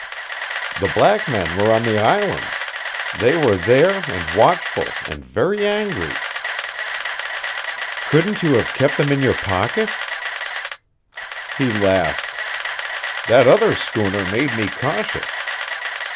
"The black men were on the island. They were there, and watchful, and very angry." "Couldn't you have kept them in your pocket?" He laughed. "That other schooner made me cautious.